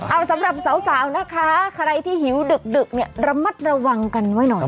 เอาสำหรับสาวนะคะใครที่หิวดึกเนี่ยระมัดระวังกันไว้หน่อย